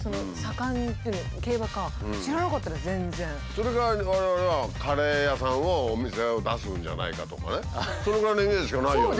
それが我々はカレー屋さんをお店を出すんじゃないかとかねそのぐらいのイメージしかないよね。